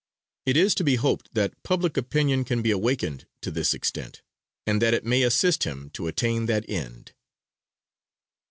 It is to be hoped that public opinion can be awakened to this extent, and that it may assist him to attain that end.